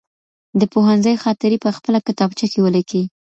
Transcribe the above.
د پوهنځي خاطرې په خپله کتابچه کي ولیکئ.